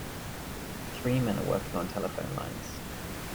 Three men are working on telephone lines.